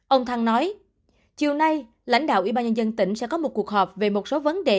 ông thăng nói chiều nay lãnh đạo ủy ban nhân dân tỉnh sẽ có một cuộc họp về một số vấn đề